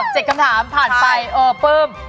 เจ็บคำถามผ่านไปปึ้ม